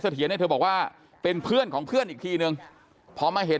เถียรเนี่ยเธอบอกว่าเป็นเพื่อนของเพื่อนอีกทีนึงพอมาเห็น